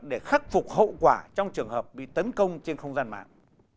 để khắc phục hậu quả trong trường hợp bị tấn công trên không gian mạng